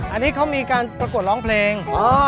อันนี้เขามีการประกวดร้องเพลง